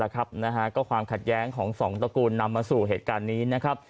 ก็ความขัดแย้งของ๒ตระกูลนำมาสู่เหตุการณ์นี้